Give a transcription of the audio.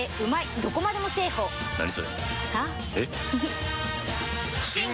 どこまでもだあ！